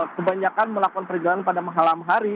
kebanyakan melakukan perjalanan pada malam hari